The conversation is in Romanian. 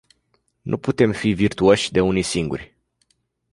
Nu putem fi virtuoși de unii singuri.